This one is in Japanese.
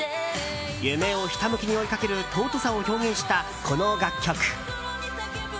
夢をひたむきに追いかける尊さを表現した、この楽曲。